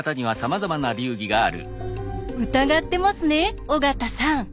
疑ってますね尾形さん。